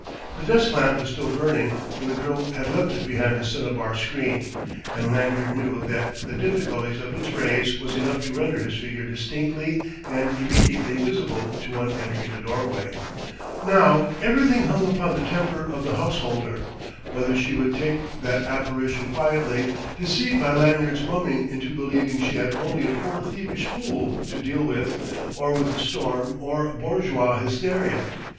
The desk lamp was still burning, where the girl had left it behind the cinnabar screen; and Lanyard knew that the diffusion of its rays was enough to render his figure distinctly and immediately visible to one entering the doorway. Now everything hung upon the temper of the house holder, whether she would take that apparition quietly, deceived by Lanyard's mumming into believing she had only a poor thievish fool to deal with, or with a storm of bourgeois hysteria.